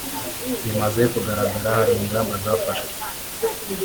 Bimaze kugaragara hari ingamba zafashwe